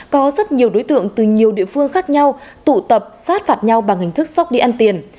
có rất nhiều đối tượng từ nhiều địa phương khác nhau tụ tập sát phạt nhau bằng hình thức sóc đi ăn tiền